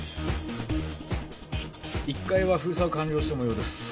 １階は封鎖を完了したもようです。